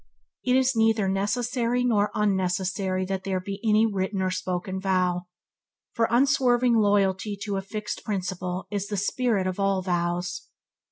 It is neither necessary nor unnecessary that there by any written or spoken vow, for unswerving loyalty to a fixed principle is the spirit of all vows.